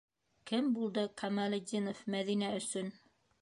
Кем булды Камалетдинов Мәҙинә өсөн?